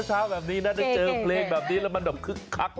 เช้าแบบนี้นะได้เจอเพลงแบบนี้แล้วมันแบบคึกคัก